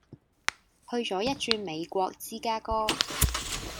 去左一轉美國芝加哥